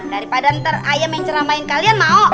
daripada ntar ayam yang ceramah main kalian mau